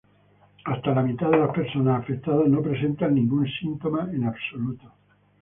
Hasta la mitad de las personas afectadas no presenta ningún síntoma en absoluto.